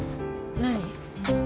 何？